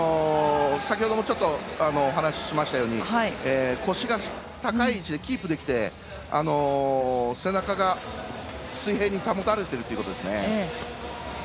先ほどもちょっとお話しましたように腰が高い位置でキープできて背中が水平に保たれているということですね。